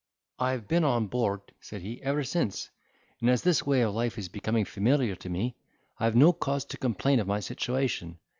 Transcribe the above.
"I have been on board," said he, "ever since; and, as this way of life is becoming familiar to me, have no cause to complain of my situation.